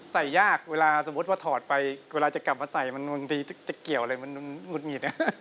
ยากเวลาสมมุติว่าถอดไปเวลาจะกลับมาใส่มันนดีจะเกี่ยวอะไรมันหุดหงิด